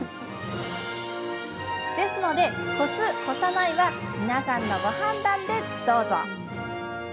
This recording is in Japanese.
ですのでこすこさないは皆さんのご判断でどうぞ。